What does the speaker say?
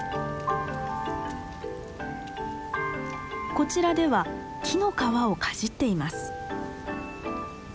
こちらでは木の皮をかじっています。